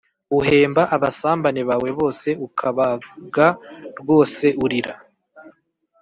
uhemba abasambane bawe bose ukabag rwoseurira